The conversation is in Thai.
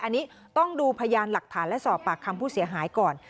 อันนี้ต้องดูพยานหลักฐานและสอบปากคำผู้เสียหายก่อน